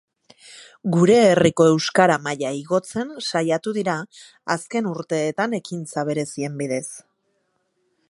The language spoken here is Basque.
Gure herriko euskara maila igotzen saiatu dira azken urteetan ekintza berezien bidez.